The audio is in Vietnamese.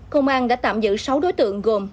công an đã tạm giữ sáu đối tượng gồm